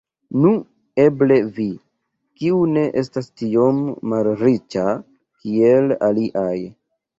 Nu, eble vi, kiu ne estas tiom malriĉa kiel aliaj.